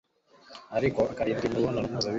ariko akirinda imibonano mpuzabitsina